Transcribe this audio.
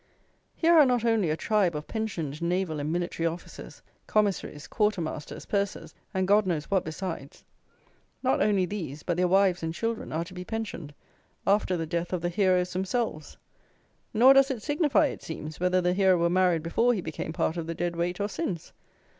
Here are not only a tribe of pensioned naval and military officers, commissaries, quartermasters, pursers, and God knows what besides; not only these, but their wives and children are to be pensioned, after the death of the heroes themselves. Nor does it signify, it seems, whether the hero were married before he became part of the Dead Weight or since.